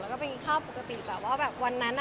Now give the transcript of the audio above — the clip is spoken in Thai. แล้วก็ไปกินข้าวปกติแต่ว่าแบบวันนั้นอ่ะ